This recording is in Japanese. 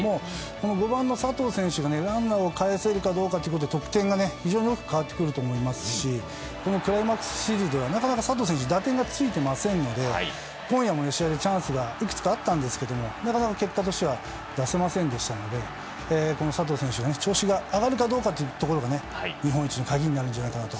この５番の佐藤選手がランナーをかえせるかどうかが得点が非常に大きく変わってくると思いますしクライマックスシリーズではなかなか打点がついてなくて今夜もチャンスがいくつかあったんですがなかなか結果としては出せませんでしたので佐藤選手の調子が上がるかどうかが日本一の鍵になるんじゃないかと。